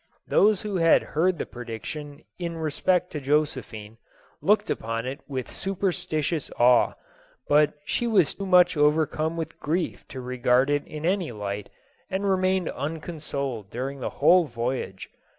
Those who had heard the prediction in re spect to Josephine, looked upon it with superstitious awe ; but she was too much overcome with grief to regard it in any light, and remained unconsoled during the whole voyage.